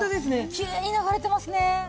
きれいに流れてますね。